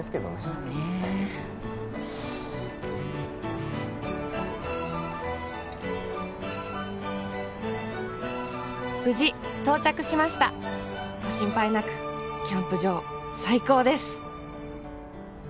まあねえ「無事到着しましたご心配なく」「キャンプ場最高です」